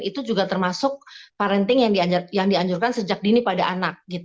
itu juga termasuk parenting yang dianjurkan sejak dini pada anak